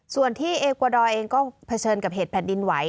ส่วนที่เอกวาดอยเองก็เผชิญกับเหตุแผ่นดินไหว